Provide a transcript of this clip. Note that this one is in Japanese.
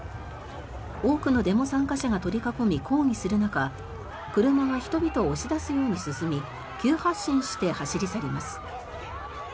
多くのデモ参加者が取り囲み抗議する中車は人々を押し出すように進み急発進して走り去ります。